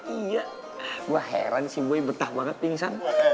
iya gue heran si boy betah banget pingsan